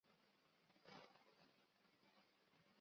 他是缅甸大学教育和女性教育的著名宣导者。